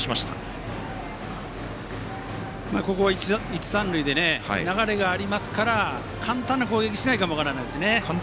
一三塁で流れがありますから簡単な攻撃しないかも分からないですね。